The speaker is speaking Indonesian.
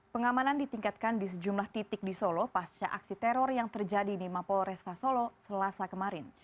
pengamanan ditingkatkan di sejumlah titik di solo pasca aksi teror yang terjadi di mapol resta solo selasa kemarin